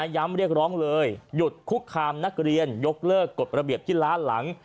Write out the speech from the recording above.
เรียกร้องเลยหยุดคุกคามนักเรียนยกเลิกกฎระเบียบที่ล้านหลัง